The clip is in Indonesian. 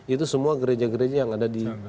itu semua gereja gereja yang ada di